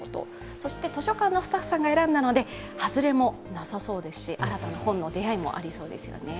そして図書館のスタッフさんが選んだのでハズレもなさそうですし、新たな本の出会いもありそうですよね。